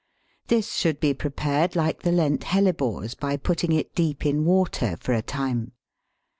This should be prepared like the Lent Hellebores, by putting it deep in water for a time.